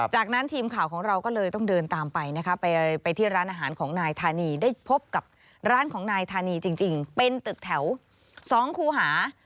จากนั้นทีมข่าวของเราก็เลยต้องเดินตามไปนะคะไปที่ร้านอาหารของนายธานีได้พบกับร้านของนายธานีจริงเป็นตึกแถว๒คูหา